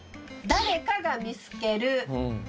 誰かが見つける。